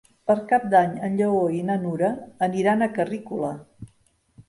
Per Cap d'Any en Lleó i na Nura aniran a Carrícola.